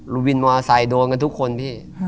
วินมอเตอร์ไซค์โดนกันทุกคนพี่